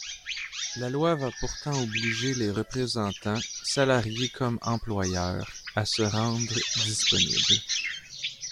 La loi va pourtant obliger les représentants, salariés comme employeurs, à se rendre disponibles.